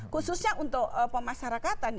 khususnya untuk pemasarakatan